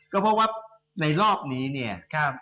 ก็เพราะว่าในรอบนี้เนี่ย